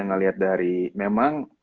ngeliat dari memang